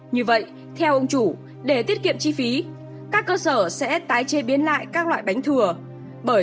như vậy theo ông chủ để tiết kiệm chi phí các cơ sở sẽ tái chế biến lại các loại bánh thừa